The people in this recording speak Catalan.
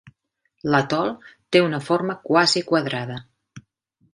L'atol té una forma quasi quadrada.